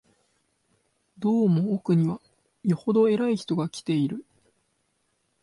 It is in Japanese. どうも奥には、よほど偉い人が来ている